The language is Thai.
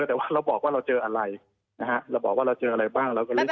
แต่ว่าเราบอกว่าเราเจออะไรนะฮะเราบอกว่าเราเจออะไรบ้างเราก็รู้